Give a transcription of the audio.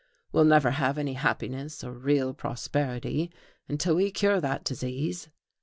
We'll never have any happiness or real prosperity until we cure that disease.